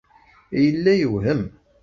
Yella yewhem.